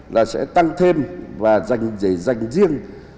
là sẽ tăng thêm và dành riêng